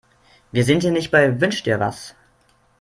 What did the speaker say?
Wir sind hier nicht bei Wünsch-dir-was.